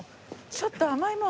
ちょっと甘いもの